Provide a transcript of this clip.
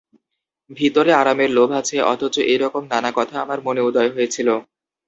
ভিতরে আরামের লোভ আছে, অথচ– এইরকম নানা কথা আমার মনে উদয় হয়েছিল।